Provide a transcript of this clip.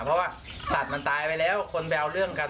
เพราะสัตว์มันตายไปแล้วเป็นคนแบวเรื่องกัน